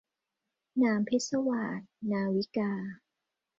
หนามพิศวาส- นาวิกา